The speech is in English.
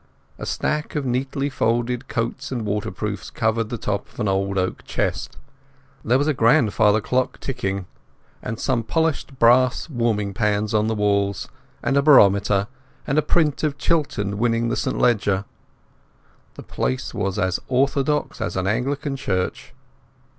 A stack of neatly folded coats and waterproofs covered the top of an old oak chest; there was a grandfather clock ticking; and some polished brass warming pans on the walls, and a barometer, and a print of Chiltern winning the St Leger. The place was as orthodox as an Anglican church.